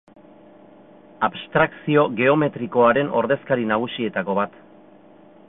Abstrakzio geometrikoaren ordezkari nagusietako bat.